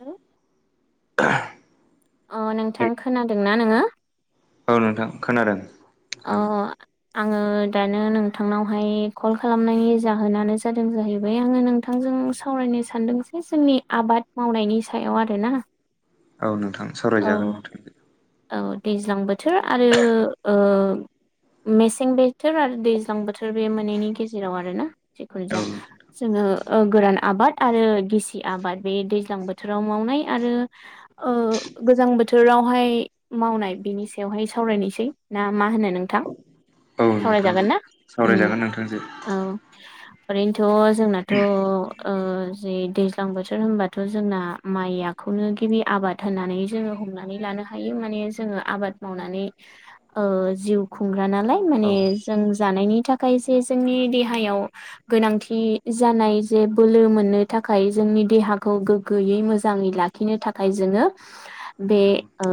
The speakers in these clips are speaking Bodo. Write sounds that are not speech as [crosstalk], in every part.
हेल' [unintelligible] अ नोंथां खोनादोंना नोङो औ नोंथां खोनादों अ नोंथांजों आङो दानो नोंथांनावहाय कल खालामनायनि जाहोनानो जादों जाहैबाय आङो नोंथां जों सावरायनो सानदों जे जोंनि आबाद मावनायनि सायाव आरोना औ नोंथां औ सावरायजागोन नोंथां औ दैज्लां बोथोर आरो ओ मेसें बोथोर आरो दैज्लां बोथोर बे मोननैनि गेजेराव आरो ना जिखुनु औ जा जोङो ओ गोरान आबाद आरो गिसि आबाद बे दैज्लां बोथोराव मावनाय आरो ओ गोजां बोथोरावहाय मावनाय बिनि सायावहाय सावरायनोसै ना मा होनो नोंथां औ सावराय जागोन नोंथांजों ना सावरायजागोन नोंथांजों औ ओरैनोथ' जोंनाथ' ओ जि दैज्लां बोथोर होनबाथ' जोंना माइ आखौ खौनो गिबि आबाद होननानै जोङो हमनानै लानो हायो माने जोङो आबाद मावनानै जिउ ओ खुंग्रा नालाय औ माने जों जानायनि थाखाय जे जोंनि देहायाव गोनांथि जाना जे बोलो मोननो थाखाय जोंनि देहाखौ गोग्गोयै मोजाङै लाखिनो थाखाय जोङो बे ओ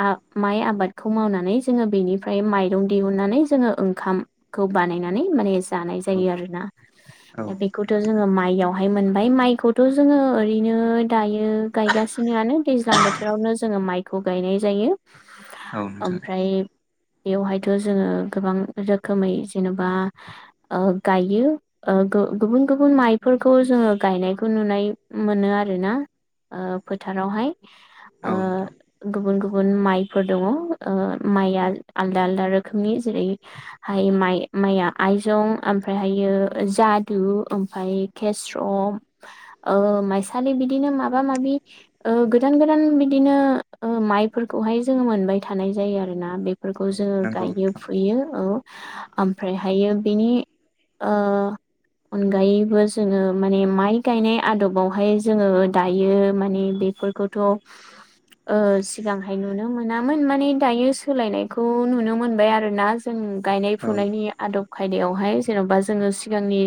आ माइ आबादखौ मावनानै जोङो बेनिफ्राय माइरं दिहुननानै जोङो ओंखाम खौ बानायनानै माने जानाय औ जायो आरोना औ दा बेखौथ' जोङो माइयावहाय मोनबाय माइखौथ' जोङो ओरैनो दायो गायगासिनो गायगासिनो दैज्लां बोथोरावनो जोङो माइखौ गायनाय जायो औ नोंथां ओमफ्राय बेवहायथ' जोङो गोबां रोखोमै जेनेबा ओ गायो ओ गुबुन गुबुन माइफोरखौ जोङो गायनायखौ नुनाय मोनो आरोना ओ फोथारावहाय औ नोंथां गुबुन गुबुन माइफोर दंङ माइआ आलदा आलदा रोखोमनि जेरैहाय माइ माइआ आइजं ओमफ्रायहायो जादु ओमफ्राय केस्र' माइसालि बिदिनो माबा माबि गोदान गोदान बिदिनो माइफोरखौहाय जोंङो मोनबाय थानाय जायो आरोना बे फोरफोरखौ औ जोंङो नंगौ गायो नोंथां फुयो औ ओमफ्रायहायो बिनि अनगायैबो जोंङो माने माइ गायनाय आदबावहाय जोंङो दायो माने बेफोरखौथ सिगांहाय नुनो मोनामोन माने दायो सोलायनायखौ नुनो मोनबाय आरोना जों गायनाय औ फुनायनि आदब खायदायावहाय जेन'बा जोंङो सिगांनि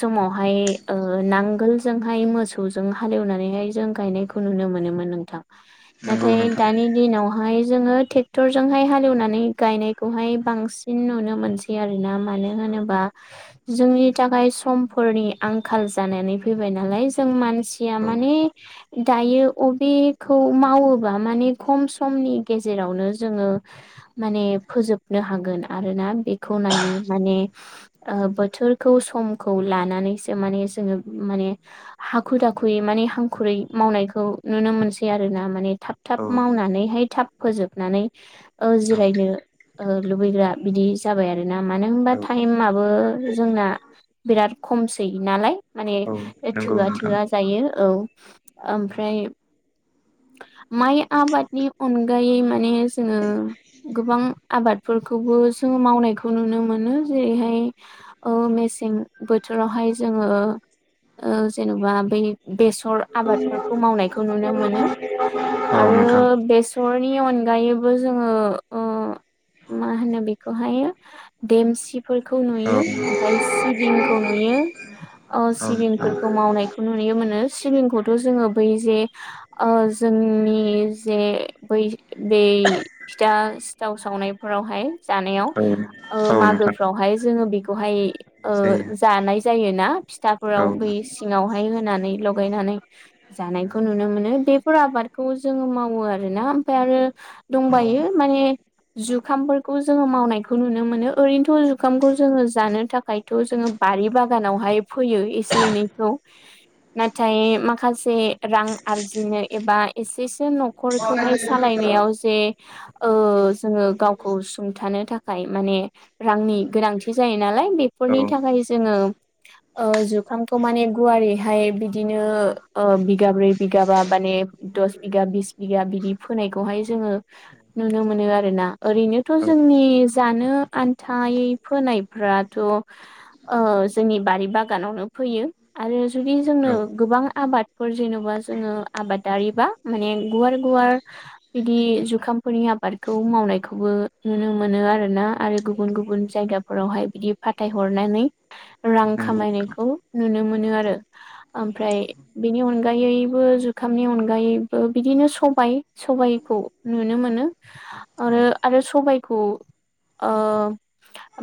समावहाय नांगोलजोंहाय मोसौ जों हालेवनानैहाय जों गायनायखौ नुनो मोनोन नोंथां नंगौ नाथाय नोंथां दानि दिनाव हाय जोंङो ट्रेक्टरजोंहाय हालेवनानै गायनायखौहाय बांसिन नुनो मोनसै आर ना मानो औ होनोबा जोंनि थाखाय समफोरनि आंखाल जानानै फैबाय नालाय जों मानसिया माने दायो अबेखौ मावोबा माने खम समनि गेजेरावनो जोंङो माने फोजोबनो हागोन आरोना बेखौ नायो माने बोथोरखौ समखौ लानानैसो माने जोङो माने हाखु दाखुयै माने हां खुरै मावनायखौ नुनो मोनसै आर ना माने थाब थाब औ मावनानैहाय थाब ओ फोजोबनानै जिरायनो लुबैग्रा बिदि जाबाय आरोना मानो होनबा टाइमाबो जोंना बिराद खमसै नालाय माने औ नंगौ थोआ नोंथां थोआ जायो औ ओमफ्राय [inaudible] माइ आबादनि अनगायै माने जोंङो गोबां आबादफोरखौबो जोंङो मावनायखौ नुनो मोनो जेरैहाय मेसें बोथोरावहाय जोंङो जेनबा बै बेसर आबादफोरखौ मावनायखौ नुनो मोनो औ आरो नोंथां बेसरनि अनगायैबो जोंङो मा होनो बेखौहाय देमसिफोरखौ औ नुयो ओमफ्राय सिबिंखौ नुयो नोंथां सिबिंफोरखौ मावनायखौ नुनो मोन सिबिंखौ थ जोंङो बै जे जोंनि जे बै बे फिथा सिथाव सावनायफोरावहाय जानायाव औ नोंथां मागोफ्रावहाय जोंङो बेखौहाय जायो जानाय जायोना औ फिथाफोराव बै सिङावहाय होनानै लगायनानै जानायखौ नुनो मोनो बेफोर आबादखौ जोंङो मावो आरोना ओमफ्राय आरो दंबाय यो माने जुखामफोरखौ जोंङो मावनायखौ नुनो मोनो ओरैनोथ' जुखामखौ जोंङो जानो थाखायथ' जोंङो बारि बागानावहाय फैयो एसे एनैखौ नाथाय माखा माखासे रां आरजिनो एबा एसेसो नखरखौहाय सालायनायाव जे जोंङो गावखौ सुंथानो थाखाय माने रांनि गोनांथि जायो नालाय औ बेफोरनि थाखाय जोंङो जुखामखौ माने गुवारैहाय बिदिनो बिगाब्रै बिगाबा माने दस बिगा बिस बिगा बिदि फोनायखौहाय जोंङो नुनो मोनो आरो ना ओरैनोथ जोंनि जानो आन्थाय फोनायफ्राथ' औ ओ जोंनि बारि बागानावनो फैयो आरो जुदि जोंनो गोबां आबाद फोर जेन'बा जोंङो आबादारि बा माने गुवार गुवार बिदि जुखामफोरनि आबादखौ मावनायखौबो नुनो मोनो आरोना। आरो गुबुन गुबुन जायगाफोरावहाय बिदि फाथाय हरनानै रां नंगौ नोंथां औ नंगौ नोंथां खामायनायखौ नुनो मोनो आरो। ओमफ्राय बेनि अनगायैबो जुखामनि अनगायैबो बिदिनो सबाय सबायखौ नुनो मो नो औ आरो-आरो सबायखौ ओ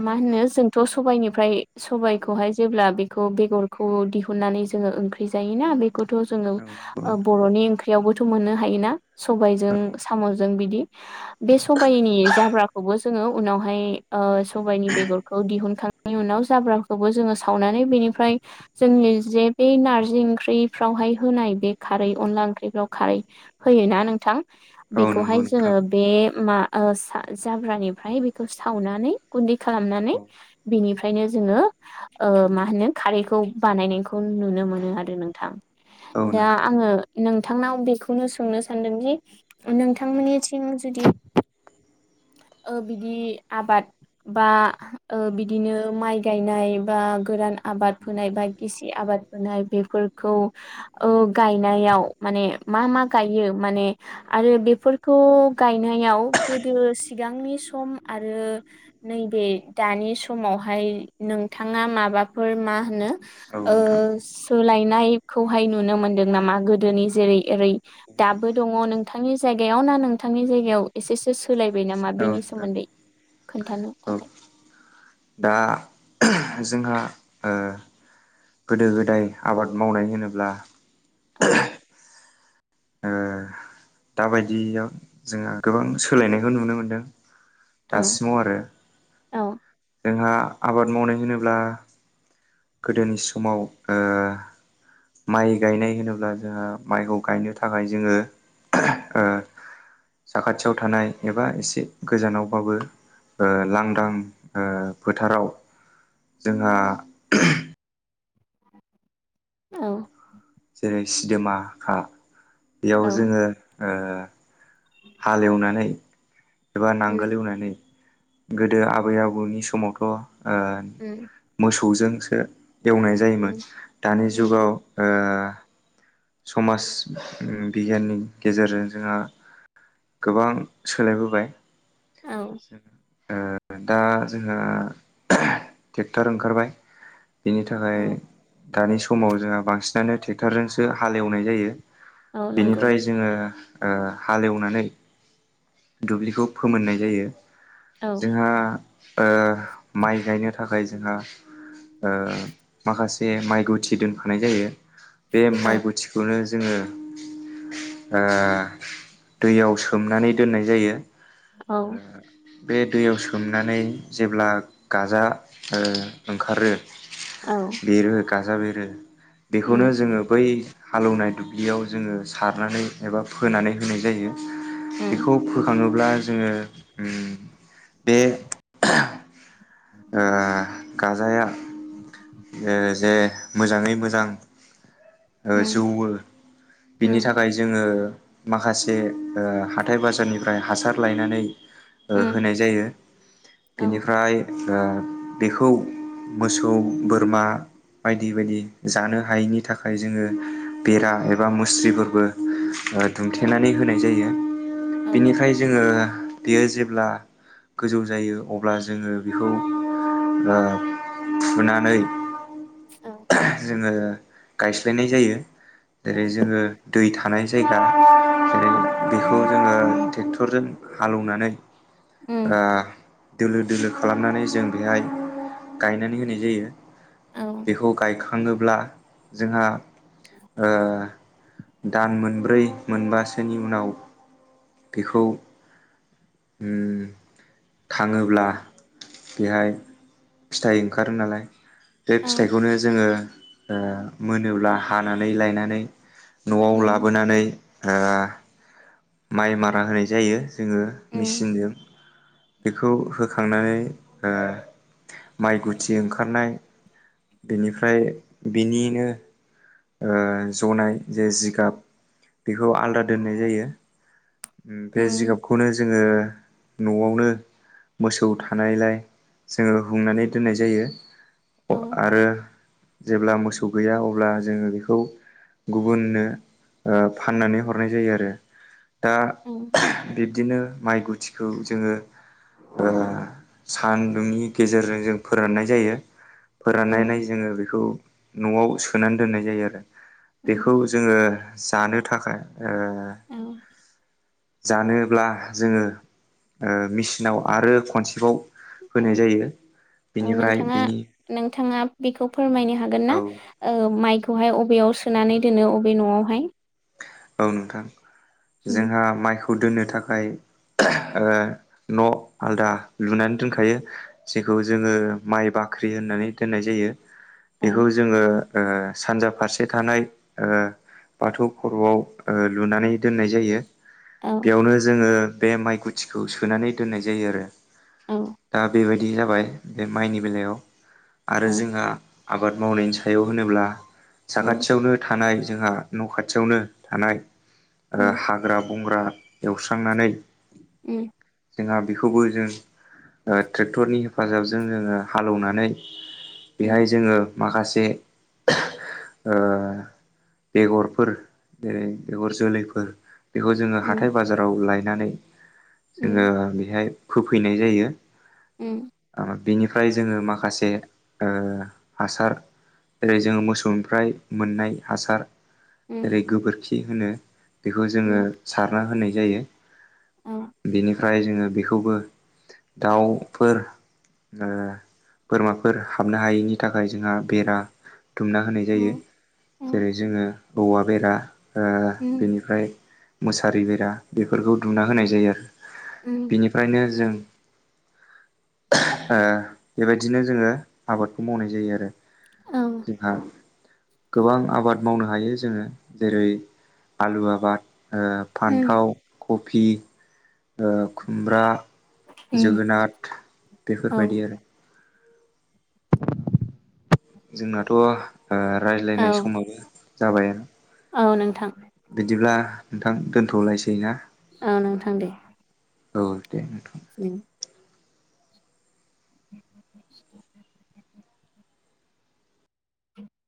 मा होनो जोंथ सबायनिफ्राय सबायखौहाय जेब्ला बेखौ बे गरखौ दिहुननानै जोंङो ओंख्रि जायोना बे खौथ' जोंङो ओ बर'नि ओंख्रियावबोथ' मोननो हायोना सबायजों साम' जों बिदि बे सबायनि जाब्राखौबो जोङो उनावहाय ओ सबायनि बेगरखौ दिहुनखां नि उनाव जाब्राखौबो जोङो सावनानै बेनिफ्राय जोंनि जे बै नारजि ओंख्रि फ्रावहाय होनाय बे खारै अनला ओंख्रिफ्राव खारै होयोना नोंथां। औ बेखौहाय नंगौ जोङो नोंथां बे मा ओ सा जाब्रानिफ्राय बेखौ सावनानै गुन्दै खालामनानै औ बेनिफ्रायनो जोङो ओ मा होनो खारैखौ बानायनायखौ नुनो मोनो आरो नोंथां। औ दा नोंथां आङो नोंथांनाव बेखौनो सोंनो सानदोंदि नोंथांमोननिथिं जुदि ओ बिदि आबाद बा ओ बिदिनो माइ गायनाय बा गोरान आबाद फोनाय बा गिसि आबाद फोनाय बेफोरखौ ओ गायनायाव मा ने मा मा गयो माने आरो बेफोरखौ गायनायाव गोदो सिगांनि सम आरो नैबे दानि समावहाय नोंथाङा मा बाफोर मा होनो औ ओ नोंथां सोलायनायखौहाय नुनो मोनदों नामा? गोदोनि जेरै एरै दाबो दङ' नोंथांनि जाय गायाव ना नोंथांनि जायगायाव एसेसो सोलाय बाय नामा औ बेनि नोंथां सोमोन्दै खोनथानो औ थाखाय। दा जोंहा ओ गोदो गोदाय आबाद मावनाय होनोब्ला औ ओ दाबायदियाव जोंहा गोबां सोलायनायखौ नुनो मोनदों। औ दासिमाव आरो औ जोंहा आबाद मावनाय होनोब्ला गोदोनि समाव ओ माइ गायनाय होनोब्ला जोंहा माइखौ गायनो थाखाय जोङो ओ साखाथियाव थानाय एबा इसे गोजानावबाबो ओ लांदां ओ फोथाराव जोंहा औ जेरै सिदोमा खा बेयाव औ जोङो ओ हालेवनानै एबा नांगोल उम एवनानै गोदो आबै आबौनि समावथ' ओ उम मोसौजोंसो एवनाय जायोमोन उम दानि उम जुगाव ओ समाज उम बिगियाननि गेजेरजों जोंहा गोबां सोलायबोबाय। औ ओ दा जोंहा टेक्टर ओंखारबाय। बेनि थाखाय औ दानि समाव जोंहा बांसिनानो टेक्टरजोंसो हालेवनाय जायो। औ नंगौ बेनिफ्राय जोङो ओ हालेवनानै दुब्लिखौ फोमोननाय जायो। औ जोंहा ओ माइ गायनो थाखाय जोंहा ओ माखासे माइ गुथि दोनफानाय जायो। बे माइ औ गुथिखौनो जोङो ओ दैयाव सोमनानै दोननाय जायो। औ ओ बे दैयाव सोमनानै जेब्ला गाजा ओ ओंखारो औ बेरो गाजा बेरो बेखौनो उम जोङो बै हालौनाय दुब्लियाव जोङो सारनानै एबा फोनानै होनाय जायो उम बेखौ फोखाङोब्ला जोङो उम बे ओ गाजाया ओ जे मोजाङै मोजां ओ उम जौवो बिनि उम थाखाय जोङो माखासे ओ हाथाइ बाजारनिफ्राय हासार लायनानै ओ उम होनाय जायो औ बेनिफ्राय ओ बेखौ मोसौ बोरमा बायदि बायदि जानो हायैनि थाखाय जोङो बेरा एबा मुस्रिफोरबो ओ औ दुमथेनानै होनाय जायो औ बेनिफ्राय जोङो बेयो जेब्ला गोजौ जायो अब्ला जोङो बेखौ ओ फुनानै औ जोङो गायस्लायनाय जायो जेरै जोङो दै थानाय जायगा जेरै औ बेखौ जोङो ट्रेक्टरजों हालौनानै उम ओ दोलो दोलो खालामनानै जों बेहाय गायनानै होनाय जायो औ बेखौ गायखा खाङोब्ला जोंहा ओ दान मोनब्रै मोनबासोनि उनाव बेखौ उम थाङोब्ला बेहाय फिथाइ ओंखारो नालाय बे औ फिथाइखौनो जोङो ओ मोनोब्ला हानानै लायनानै नआव उम लाबोनानै ओ माइ मारा होनाय जायो जोङो उम मिचिनजों बेखौ होखांनानै ओ माइ गुथि ओंखारनाय बिनिफ्राय बिनिनो ओ जनाय जे जिगाब बेखौ आलदा दोननाय जायो बे उम जिगाबखौनो जोङो नआवनो मोसौ थानायलाय जोङो हुंनानै दोननाय जायो औ आरो जेब्ला मोसौ गैया अब्ला जोङो बेखौ गुबुननो ओ फाननानै हरनाय जायो आरो दा उम बिब्दिनो माइ गुथिखौ जोङो ओ सान्दुंनि गेजेरजों जों फोराननाय जायो औ फोराननायनाय जोङो बेखौ नआव सोनानै दोननाय जायो आरो बेखौ उम जोङो जानो थाखाय ओ जानोब्ला जोङो ओ मिसिनाव आरो खनसेबाव औ होनाय औ जायो औ बिनिफ्राय नोंथाङा बिनि नोंथाङा बेखौ फोरमायनो हागोन ना औ ओ माइ खौहाय अबेयाव सोनानै दोनो अबे नआवहाय औ नोंथां उम जोंहा माइखौ दोननो थाखाय ओ न आलदा लुनानै दोनखायो जेखौ जोङो माइ बाख ख्रि होननानै दोननाय जायो बेखौ औ जोङो ओ सानजा फारसे थानाय बाथौ खरआव ओ लुनानै दोननाय जायो औ बेयावनो जोङो बे माइ गुथिखौ सोनानै दोननाय जायो आरो औ दा बेबायदि जाबाय बे माइनि बेलायाव आरो औ जोंहा आबाद मावनायनि सायाव होनोब्ला उम साखाथियावनो थानाय जोंहा न खाथ थियावनो थानाय उम हाग्रा बंग्रा एवस्रांनानै उम जोंहा बेखौबो जों ओ ट्रेक्टरनि हेफाजाबजों जोंङो हालौनानै उम बेहाय जोंङो माखासे ओ बेगरफोर जेरै बेगर जोलैफोर बेखौ जोंङो उम हाथाय बाजाराव लायनानै उम जोंङो बेहाय फोफैनाय जायो उम बिनिफ्राय जोंङो माखासे ओ हासार ओेरै जोंङो मोसौनिफ्राय मोननाय हासार उम ओरै गोबोरखि होनो बेखौ जोंङो उम सारना होनाय जायो औ बेनिफ्राय जोंङो बेखौबो दाउ फोर। ओ बोरमाफोर हाबनो हायैनि थाखाय जोंहा बेरा दुंमना होनाय औ जायो औ जेरै जोंङो औवा बेरा ओ उम बेनिफ्राय मुसारि बेरा बेफोरखौ दुंना होनाय जायो आरो। उम बिनिफ्रायनो जों ओ बेबायदिनो जोंङो आबादखौ मावनाय जायो आरो। औ जोंहा गोबां आबाद मावनो हायो जोंङो जेरै आलु आबाद ओ उम फान्थाव, कफि ओ खुमब्रा, उम जोगोनाथ औ बेफोरबायदि आरो। जोंनाथ' ओ रायज्लायनाय औ समाबो जाबायानो। औ नोंथां बिदिब्ला नोंथां दोन्थ'लायसै ना? औ नोंथां दे। औ दे नोंथां। उम। [inaudible] [inaudible]